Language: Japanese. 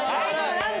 何だ？